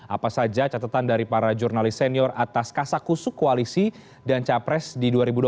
apa saja catatan dari para jurnalis senior atas kasakusuk koalisi dan capres di dua ribu dua puluh